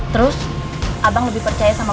terus abang lebih percaya sama